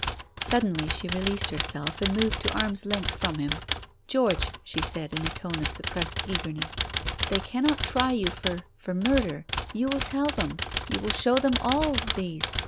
Suddenly she released herself and moved to arm's length from him. "George," she said, in a tone of suppressed eagerness, "they cannot try you for for murder. You will tell them. You will show them all these.